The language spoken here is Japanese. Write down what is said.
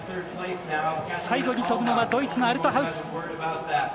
最後に飛ぶのはドイツのアルトハウス。